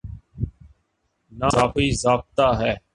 نہ کوئی ضابطہ ہے۔